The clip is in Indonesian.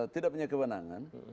tidak punya kebenangan